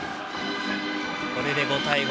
これで５対５。